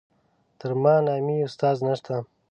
تر ما نامي استاد نشته.